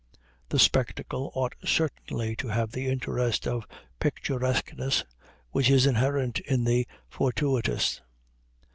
The spectacle ought certainly to have the interest of picturesqueness which is inherent in the fortuitous.